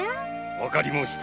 わかりました。